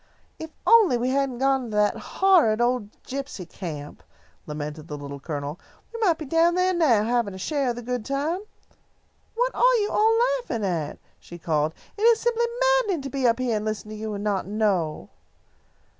"If we only hadn't gone to that horrid old gypsy camp," lamented the Little Colonel, "we might be down there now, having a share of the good time. What are you all laughing at?" she called. "It is simply maddening to be up here and listen to you and not know."